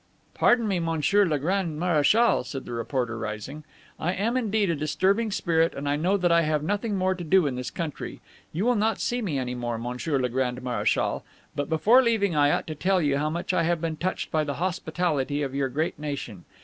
"Pardon me, Monsieur le Grand Marechal," said the reporter, rising; "I am, indeed, a disturbing spirit and I know that I have nothing more to do in this country. You will not see me any more, Monsieur le Grand Marechal; but before leaving I ought to tell you how much I have been touched by the hospitality of your great nation.